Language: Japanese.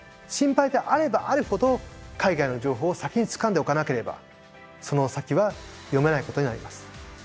心配であればあるほど海外の情報を先につかんでおかなければその先は読めないことになります。